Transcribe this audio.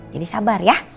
jadi sabar ya